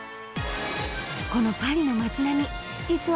このパリの街並み